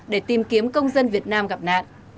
để tìm kiếm công dân việt nam gặp nạn